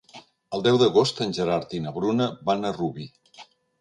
El deu d'agost en Gerard i na Bruna van a Rubí.